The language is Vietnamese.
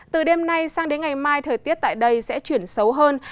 từ đêm nay sang đến ngày mai thời tiết tại đây sẽ chuyển xấu hơn